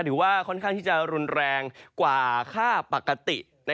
ถือว่าค่อนข้างที่จะรุนแรงกว่าค่าปกติ